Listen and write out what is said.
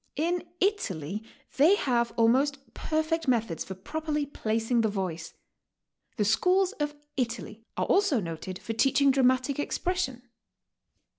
In Italy they have almost perfect methods for properly placing the voice. The schools of Italy are also noted for teaching dramatic expression."